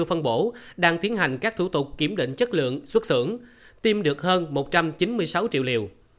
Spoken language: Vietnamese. phân bổ đang tiến hành các thủ tục kiểm định chất lượng xuất xưởng tiêm được hơn một trăm chín mươi sáu triệu liều